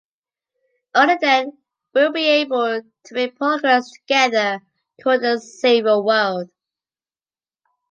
Only then will we be able to make progress together towards a safer world.